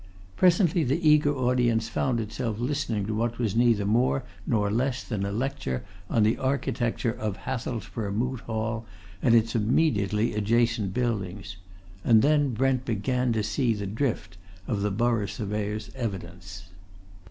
Presently the eager audience found itself listening to what was neither more nor less than a lecture on the architecture of Hathelsborough Moot Hall and its immediately adjacent buildings and then Brent began to see the drift of the Borough Surveyor's evidence.